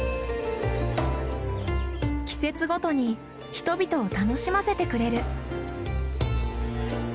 季節ごとに人々を楽しませてくれる。